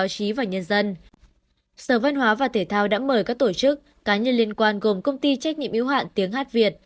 sở văn hóa và thể thao đã mời các tổ chức cá nhân liên quan gồm công ty trách nhiệm yếu hạn tiếng hát việt